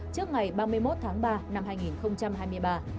trước ngày ba mươi một tháng ba năm hai nghìn hai mươi ba